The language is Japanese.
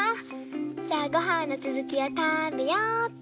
じゃあごはんのつづきをたべよっと。